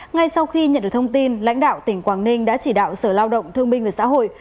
ngay sau khi nhận được thông tin lãnh đạo tỉnh quảng ninh đã chỉ đạo sở lao động thương minh và xã hội